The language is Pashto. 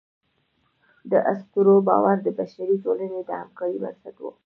د اسطورو باور د بشري ټولنې د همکارۍ بنسټ و.